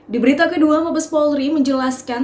di berita kedua mabes polri menjelaskan